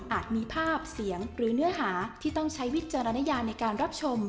มีภาพเสียงหรือเนื้อหาที่ต้องใช้วิจารณญาในการรับชม